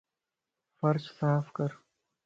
فرش صاف ڪر